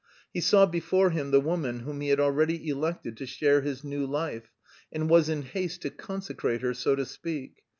He saw before him the woman whom he had already elected to share his new life, and was in haste to consecrate her, so to speak.